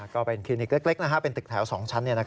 ก็เป็นคลินิกเล็กเป็นตึกแถว๒ชั้น